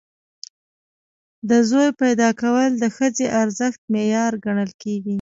د زوی پیدا کول د ښځې د ارزښت معیار ګڼل کېږي.